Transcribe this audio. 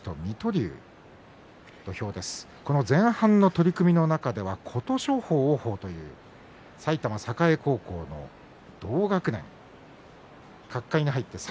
この前半の取組の中では琴勝峰と王鵬という埼玉栄高校の同学年。